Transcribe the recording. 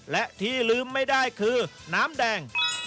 และที่ลืมไม่ได้คือน้ำแดง